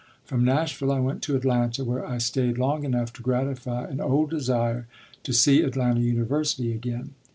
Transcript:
From Nashville I went to Atlanta, where I stayed long enough to gratify an old desire to see Atlanta University again.